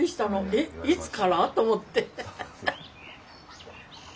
「えっいつから？」と思って。